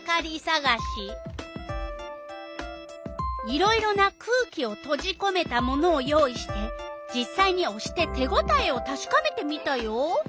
いろいろな「空気をとじこめたもの」を用意して実さいにおして手ごたえをたしかめてみたよ。